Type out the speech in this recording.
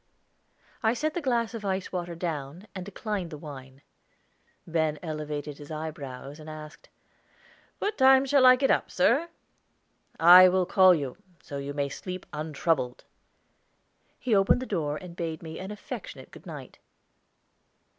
I set the glass of ice water down, and declined the wine. Ben elevated his eyebrows, and asked: "What time shall I get up, sir?" "I will call you; so you may sleep untroubled." He opened the door, and bade me an affectionate good night.